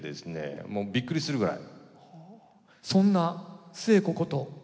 もうびっくりするぐらい。